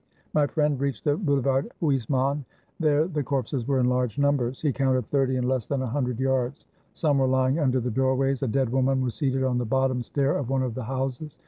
My friend reached the Boulevard Haussmann; there the corpses were in large numbers. He counted thirty in less than a hundred yards. Some were lying under the doorways; a dead woman was seated on the bottom stair of one of the houses.